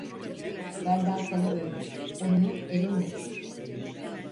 Benden sana öğüt, ununu elinle öğüt.